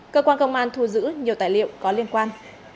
cơ quan công an thu giữ nhiều tài liệu có liên quan